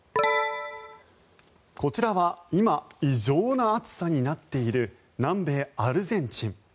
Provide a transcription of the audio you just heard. こちらは今異常な暑さになっている南米アルゼンチン。